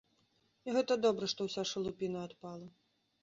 І гэта добра, што ўся шалупіна адпала.